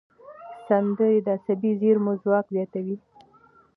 سندرې د عصبي زېرمو ځواک زیاتوي.